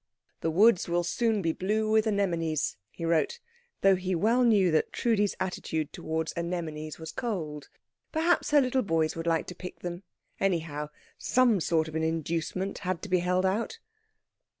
"The woods will soon be blue with anemones," he wrote, though he well knew that Trudi's attitude towards anemones was cold. Perhaps her little boys would like to pick them; anyhow, some sort of an inducement had to be held out.